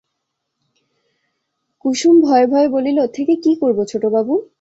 কুসুম ভয়ে ভয়ে বলিল, থেকে কী করব ছোটবাবু?